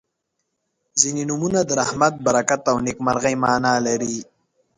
• ځینې نومونه د رحمت، برکت او نیکمرغۍ معنا لري.